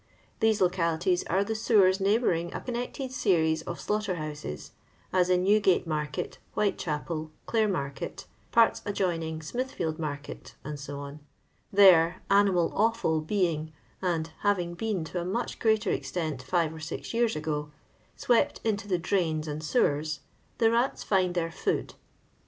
These localities are the sewen neighbouring a connected series of slaughter houses, as in Newgate market, Whitechapel, Clare market, parts adjoining Smithfield market, fcc There, animal offd being (and having been to a much greater extent five or six yean ago) swept into the drains and sewen, the rats find their food.